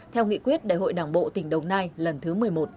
theo nghị quyết đại hội đảng bộ tỉnh đồng nai lần thứ một mươi một